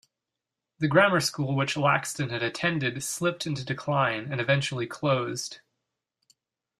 The grammar school which Laxton had attended slipped into decline and eventually closed.